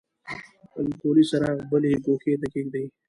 الکولي څراغ بلې ګوښې ته کیږدئ.